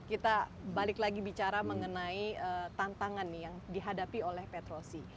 kita balik lagi bicara mengenai tantangan nih yang dihadapi oleh petrosi